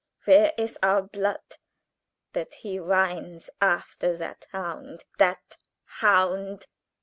Where is our blood, that he whines after that hound that hound?"